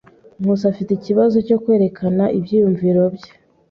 Nkusi afite ikibazo cyo kwerekana ibyiyumvo bye.